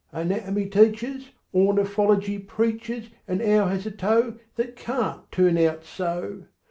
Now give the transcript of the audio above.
Anatomy teaches, Ornithology preaches An owl has a toe That can't turn out so!